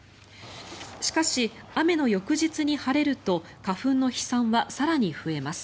しかし、雨の翌日に晴れると花粉の飛散は更に増えます。